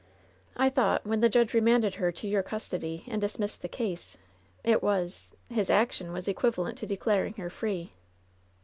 "I thought, when the judge remanded her to your custody and dismissed the case, it was — ^his action was equivalent to declaring her free."